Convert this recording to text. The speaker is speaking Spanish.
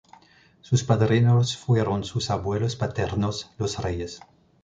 Sus padrinos fueron sus abuelos paternos, los reyes.